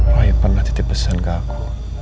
wahyu pernah titip pesan ke aku